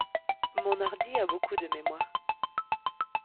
Mon ordi a beaucoup de mémoire.